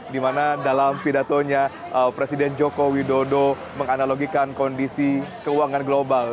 di mana dalam pidatonya presiden joko widodo menganalogikan kondisi keuangan global